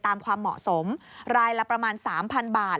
ความเหมาะสมรายละประมาณ๓๐๐๐บาท